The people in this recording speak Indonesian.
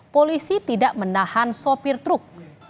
polisi tidak menahan sopir truk